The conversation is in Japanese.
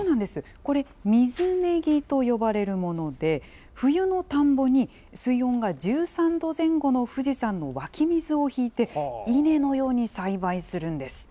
これ、水ネギと呼ばれるもので、冬の田んぼに水温が１３度前後の富士山の湧き水を引いて、稲のように栽培するんです。